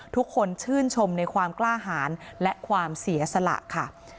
ทุกคนชื่นชมในความกล้าหารและความเสียสละค่ะ